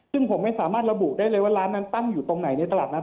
ซึ่งผมไม่สามารถระบุได้เลยว่าร้านนั้นตั้งอยู่ตรงไหนในตลาดนั้น